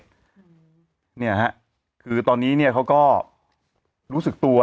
นี่แหละครับคือตอนนี้เขาก็รู้สึกตัว